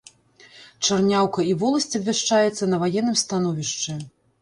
Чарняўка і воласць абвяшчаецца на ваенным становішчы.